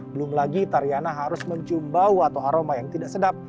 belum lagi tariana harus mencium bau atau aroma yang tidak sedap